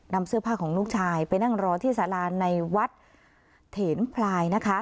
นำเสื้อผ้าของลูกชายไปนั่งรอที่สาราในวัดเถนพลายนะคะ